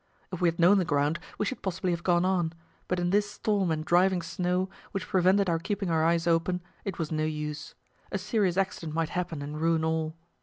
If we had known the ground, we should possibly have gone on; but in this storm and driving snow, which prevented our keeping our eyes open, it was no use. A serious accident might happen and ruin all.